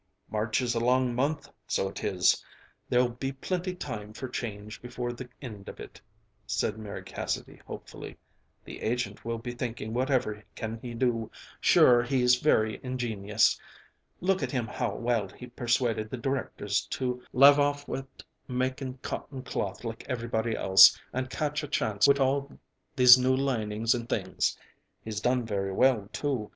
"March is a long month, so it is there'll be plinty time for change before the ind of it," said Mary Cassidy hopefully. "The agent will be thinking whatever can he do; sure he's very ingenious. Look at him how well he persuaded the directors to l'ave off wit' making cotton cloth like everybody else, and catch a chance wit' all these new linings and things! He's done very well, too.